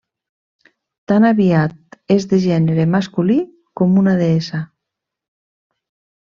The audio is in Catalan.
Tan aviat és de gènere masculí com una deessa.